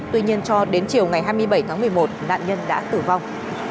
tuy nhiên cho đến chiều ngày hai mươi bảy tháng một mươi một nạn nhân đã tử vong